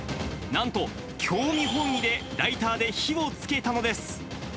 なんと、興味本位でライターで火をつけたのです。